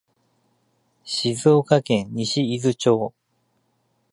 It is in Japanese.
静岡県西伊豆町